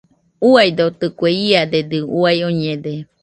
Uaidotɨkue, iadedɨ uai oñede.